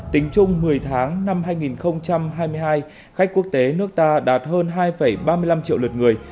tính chung một mươi tháng năm hai nghìn hai mươi hai khách quốc tế nước ta đạt hơn hai ba mươi năm triệu lượt người